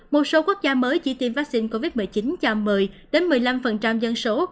một số quốc gia mới chỉ tiêm vaccine covid một mươi chín cho một mươi một mươi năm dân số